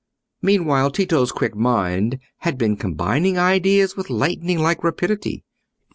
Meanwhile, Tito's quick mind had been combining ideas with lightning like rapidity.